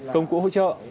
công cụ hỗ trợ